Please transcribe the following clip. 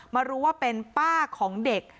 มารู้ว่าเป็นป้าของเด็ก